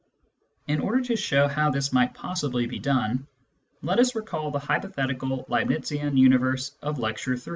In order to show how this might possibly be done, let us recall the hypothetical Leibnizian universe of Lecture III.